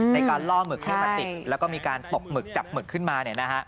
ล่อหมึกให้มาติดแล้วก็มีการตกหมึกจับหมึกขึ้นมา